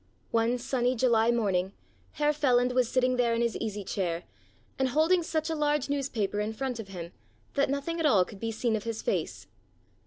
One sunny July morning Herr Feland was sitting there in his easy chair, and holding such a large newspaper in front of him that nothing at all could be seen of his face.